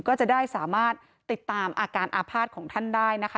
ก็จะได้สามารถติดตามอาการอาภาษณ์ของท่านได้นะคะ